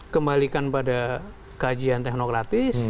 kembalikan pada kajian teknokratik